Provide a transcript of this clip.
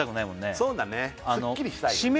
そうだね